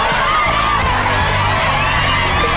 เยี่ยม